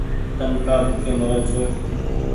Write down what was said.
تم ڪآ ڀوڪي مرو ڇو